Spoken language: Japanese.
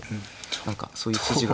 何かそういう筋が。